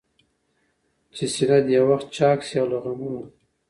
چي سينه دي يو وخت چاك سي له غمونو؟